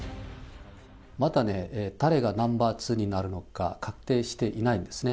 まだね、誰がナンバー２になるのか、確定していないんですね。